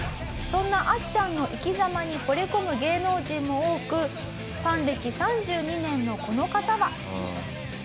そんなあっちゃんの生き様に惚れ込む芸能人も多くファン歴３２年のこの方は。